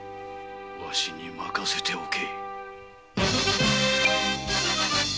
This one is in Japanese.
わしに任せておけ！